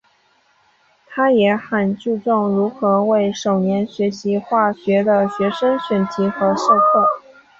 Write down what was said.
他也很注重如何为首年学习化学的学生选题和授课。